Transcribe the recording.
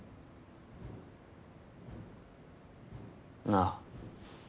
なあ。